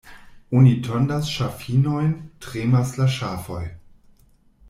Oni tondas ŝafinojn, tremas la ŝafoj.